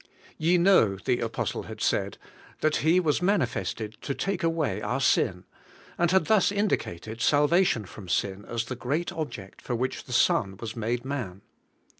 ^"yE know/ the apostle had said, *that He was man J ifested to take away our sin,' and had thus in dicated salvation from sin as the great object for which the Son was made man.